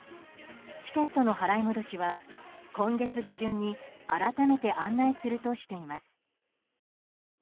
チケットの払い戻しは今月下旬に改めて案内するとしています。